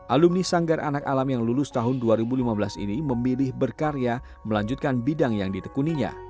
alumni sanggar anak alam yang lulus tahun dua ribu lima belas ini memilih berkarya melanjutkan bidang yang ditekuninya